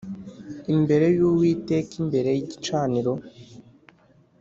imbere y Uwiteka imbere y igicaniro